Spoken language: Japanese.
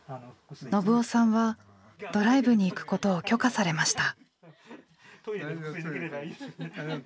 信男さんはドライブに行くことを許可されました。